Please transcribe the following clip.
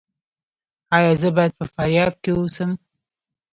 ایا زه باید په فاریاب کې اوسم؟